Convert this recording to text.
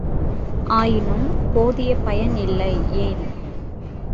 ஆயினும் போதிய பயன் இல்லை ஏன்?